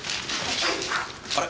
あれ？